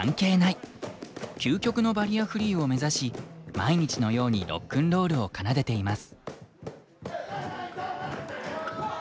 究極のバリアフリーを目指し毎日のようにロックンロールを奏でています。